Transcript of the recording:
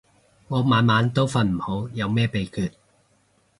我晚晚都瞓唔好，有咩秘訣